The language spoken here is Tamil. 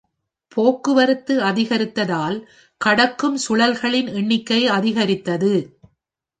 போக்குவரத்து அதிகரித்ததால் கடக்கும் சுழல்களின் எண்ணிக்கை அதிகரித்தது.